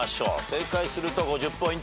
正確すると５０ポイント。